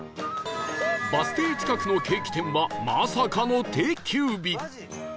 バス停近くのケーキ店はまさかの定休日